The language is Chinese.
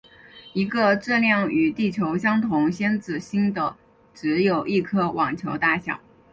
一个质量与地球相同先子星的只有一颗网球大小。